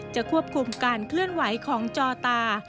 ควบคุมการเคลื่อนไหวของจอตา